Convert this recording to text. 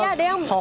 ya ada yang tawar